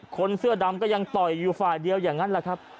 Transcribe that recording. คนเสื้อดำก็ยังต่อยอยู่ฝ่ายเดียวอย่างนั้นแหละครับ